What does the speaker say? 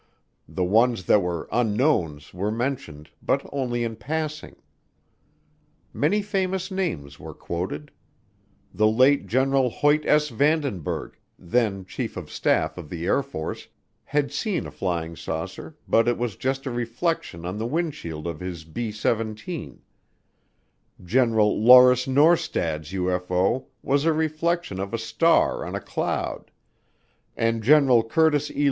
The ones that were unknowns were mentioned, but only in passing. Many famous names were quoted. The late General Hoyt S. Vanden berg, then Chief of Staff of the Air Force, had seen a flying saucer but it was just a reflection on the windshield of his B 17. General Lauris Norstad's UFO was a reflection of a star on a cloud, and General Curtis E.